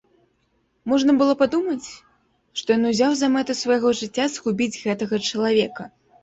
Можна было падумаць, што ён узяў за мэту свайго жыцця згубіць гэтага чалавека.